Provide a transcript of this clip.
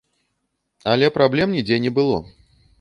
Але праблем нідзе не было.